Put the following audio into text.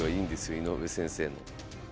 井上先生の。